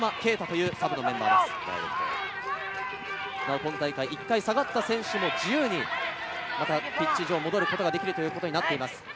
今大会、一回下がった選手も自由にまたピッチ上に戻ることができることになっています。